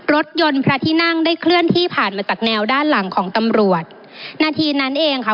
รถยนต์พระที่นั่งได้เคลื่อนที่ผ่านมาจากแนวด้านหลังของตำรวจนาทีนั้นเองค่ะ